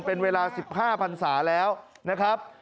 เป็นเวลา๑๕พันศาแล้วนะครับ